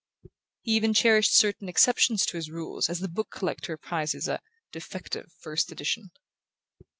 He even cherished certain exceptions to his rules as the book collector prizes a "defective" first edition.